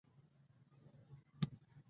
انګلیسي د ټیکنالوژۍ ډېری لغتونه لري